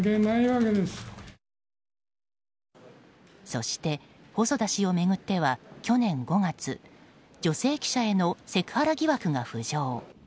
そして細田氏を巡っては去年５月女性記者へのセクハラ疑惑が浮上。